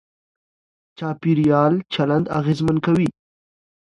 چاپېريال چلند اغېزمن کوي.